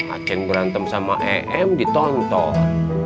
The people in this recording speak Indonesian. agen berantem sama em ditonton